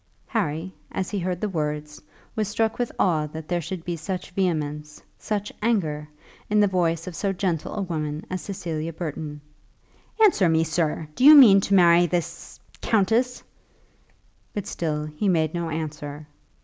Harry, as he heard the words, was struck with awe that there should be such vehemence, such anger, in the voice of so gentle a woman as Cecilia Burton. "Answer me, sir, do you mean to marry this countess?" But still he made no answer.